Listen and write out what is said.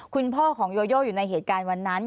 คุณพ่อของโยโยอยู่ในเหตุการณ์วันนั้น